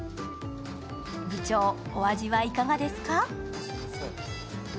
部長、お味はいかがですか？